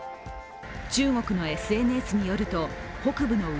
中国のＳＮＳによると、北部の内